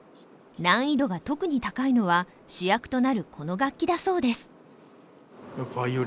難易度が特に高いのは主役となるこの楽器だそうです。